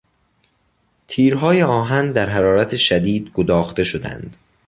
تیرهای آهن در حررات شدید گداخته شدند.